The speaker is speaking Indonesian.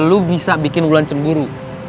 lu bisa bikin bulan cemburu